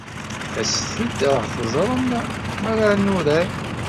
Aset-d ad aɣ-teẓrem mi ara nurar.